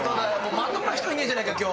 まともな人いねえじゃねえか今日。